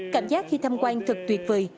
cảm giác khi tham quan thật tuyệt vời